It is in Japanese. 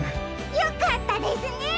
よかったですね！